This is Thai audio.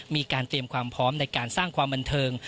มีการเตรียมความพร้อมในการสร้างความบันเทิง